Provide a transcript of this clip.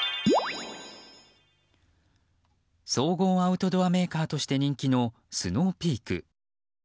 総合アウトドアメーカーとして人気のスノーピーク。